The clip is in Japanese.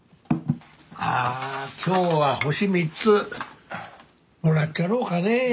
ああ今日は星３つもらっちゃろうかねえ。